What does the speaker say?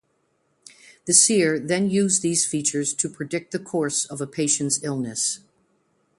The seer then used these features to predict the course of a patient's illness.